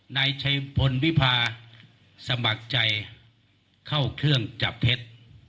นายชัยพลวิพาสมัครใจเข้าเครื่องจับเท็จ